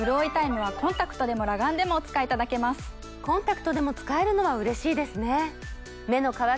コンタクトでも使えるのはうれしいですね。